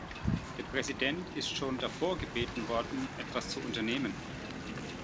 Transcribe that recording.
Der Präsident ist schon davor gebeten worden, etwas zu unternehmen.